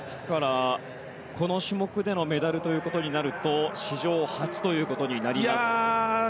この種目でのメダルということになると史上初ということになります。